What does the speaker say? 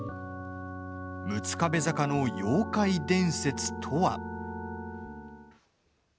六壁坂の妖怪伝説とは。